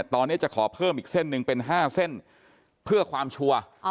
ตอนนี้จะขอเพิ่มอีกเส้นหนึ่งเป็น๕เส้นเพื่อความชัวร์